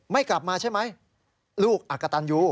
ไม่กลับมาใช่ไหมลูกอักกะตันยู